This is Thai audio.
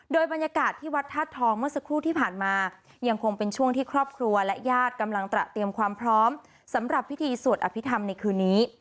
โดยบรรยากาศที่วัดธาตุทองเมื่อสักครู่ที่ผ่านมายังคงเป็นช่วงที่ครอบครัวและญาติกำลังตระเตรียมความพร้อมสำหรับพิธีสวดอภิษฐรรมในคืนนี้